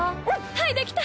はいできた！